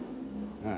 うん。